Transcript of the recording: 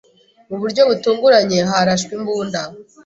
Mu buryo butunguranye, harashwe imbunda.